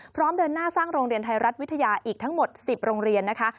เดินหน้าสร้างโรงเรียนไทยรัฐวิทยาอีกทั้งหมด๑๐โรงเรียนนะคะ